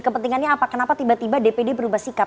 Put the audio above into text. kepentingannya apa kenapa tiba tiba dpd berubah sikap